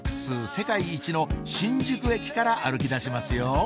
世界一の新宿駅から歩き出しますよ